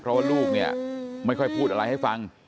เพราะว่าลูกเนี่ยไม่ค่อยพูดอะไรให้ฟัง